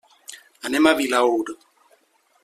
Anem a Vilaür.